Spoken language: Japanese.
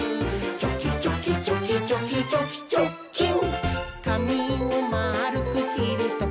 「チョキチョキチョキチョキチョキチョッキン！」